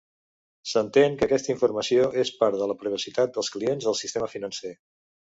S'entén que aquesta informació és part de la privacitat dels clients del sistema financer.